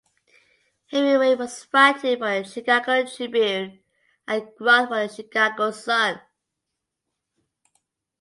Hemingway was writing for the Chicago Tribune and Groth for the Chicago Sun.